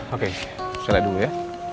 oke saya lihat dulu ya